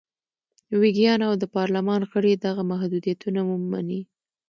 ویګیان او د پارلمان غړي دغه محدودیتونه ومني.